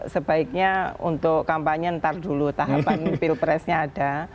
sebaiknya untuk kampanye ntar dulu tahapan pilpresnya ada